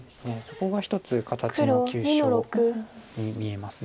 そこが一つ形の急所に見えます。